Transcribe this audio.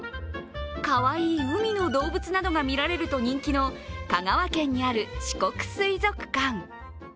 かわいい海の動物などが見られると人気の香川県にある四国水族館。